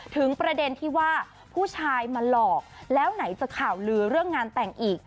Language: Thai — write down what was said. ถึงประเด็นที่ว่าผู้ชายมาหลอกแล้วไหนจะข่าวลือเรื่องงานแต่งอีก